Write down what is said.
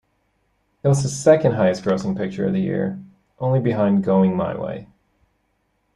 It was the second-highest grossing picture of the year, only behind "Going My Way".